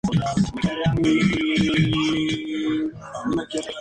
Pareciera no poder empezar y terminar, sin ser nunca lo suficientemente buena.